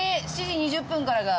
７時２０分からだ。